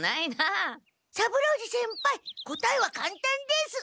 三郎次先輩答えはかんたんです。